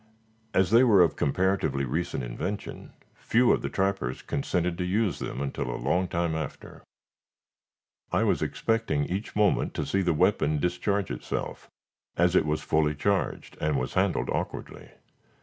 As they were of comparatively recent invention, few of the trappers consented to use them until a long time after.) I was expecting each moment to see the weapon discharge itself, as it was fully charged, and was handled awkwardly.